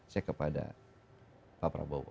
cek kepada pak prabowo